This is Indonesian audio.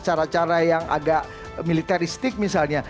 cara cara yang agak militeristik misalnya